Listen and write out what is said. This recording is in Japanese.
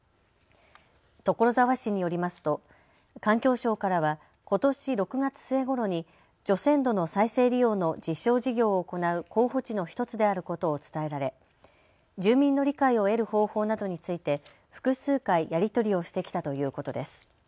所沢市によりますと環境省からはことし６月末ごろに除染土の再生利用の実証事業を行う候補地の１つであることを伝えられ、住民の理解を得る方法などについて複数回やり取りをしてきたということです。